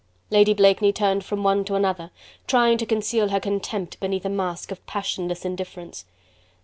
Lady Blakeney turned from one to another, trying to conceal her contempt beneath a mask of passionless indifference.